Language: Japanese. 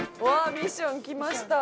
ミッションきました。